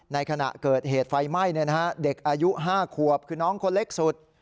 ในขณะเกิดเหตุไฟไหม้เด็กอายุ๕ขวบคือน้องคนเล็กสุด